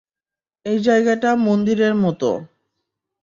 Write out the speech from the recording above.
এই জায়গাটা মন্দিরের মতো।